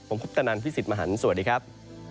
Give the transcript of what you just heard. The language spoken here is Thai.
ผมคุปตะนันพี่สิทธิ์มหันฯสวัสดีครับ